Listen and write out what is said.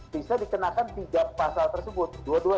bisa dikenakan tiga pasal tersebut